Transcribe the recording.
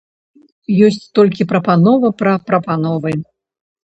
Ёсць толькі прапанова пра прапановы.